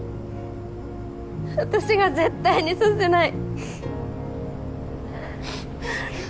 私が絶対にさせない。